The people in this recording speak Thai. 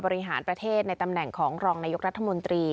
บริหารประเทศในตำแหน่งของรองนายกรัฐมนตรี